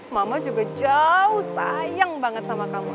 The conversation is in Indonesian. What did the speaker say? mama juga jauh sayang banget sama kamu